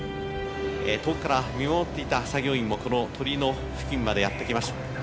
遠くから見守っていた作業員も、この鳥居の付近までやって来ました。